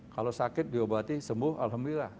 kalau sakit diobati sembuh alhamdulillah